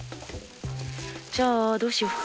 じゃあどうしよう。